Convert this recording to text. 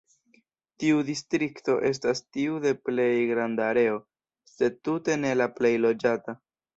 Tiu distrikto estas tiu de plej granda areo, sed tute ne la plej loĝata.